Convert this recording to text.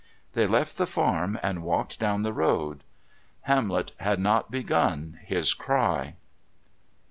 They left the farm and walked down the road. Hamlet had not begun his cry.